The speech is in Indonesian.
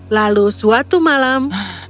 lalu suatu malam